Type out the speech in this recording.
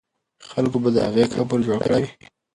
خلکو به د هغې قبر جوړ کړی وي.